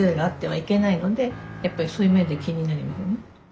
やっぱりそういう面で気になりますね。